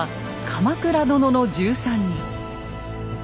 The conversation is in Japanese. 「鎌倉殿の１３人」。